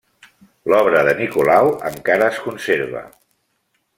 L'obra de Nicolau encara es conserva.